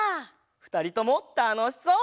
ふたりともたのしそう！